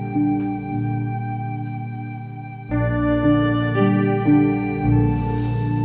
di sini panjang banyak pertanyaan poder intelijen